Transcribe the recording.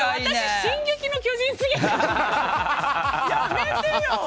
私、「進撃の巨人」過ぎる！